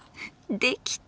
できた。